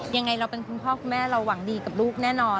ยังไงเราเป็นคุณพ่อคุณแม่เราหวังดีกับลูกแน่นอน